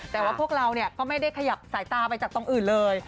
แต่ว่าพวกเราก็ไม่ได้ขยับสายตาไปจากตรงอื่นเลย